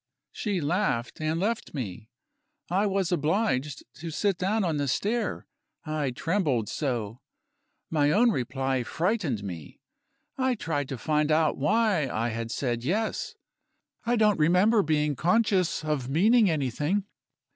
She laughed, and left me. I was obliged to sit down on the stair I trembled so. My own reply frightened me. I tried to find out why I had said Yes. I don't remember being conscious of meaning anything.